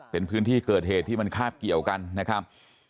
เป็นพื้นที่เกิดเหตุที่มันคาบเกี่ยวกันนะครับ